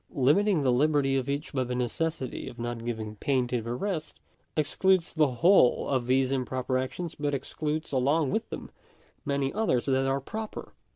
Limiting the liberty of each by the necessity of not giving pain to the rest, excludes the whole of these improper actions, but excludes along with them many others that are proper.